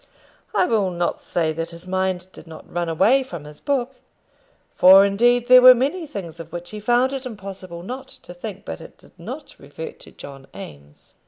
I will not say that his mind did not run away from his book, for indeed there were many things of which he found it impossible not to think; but it did not revert to John Eames.